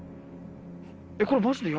これ。